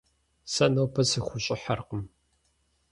Сэ нобэ сыхущӏыхьэркъым.